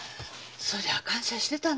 そりゃ感謝してたんだよ。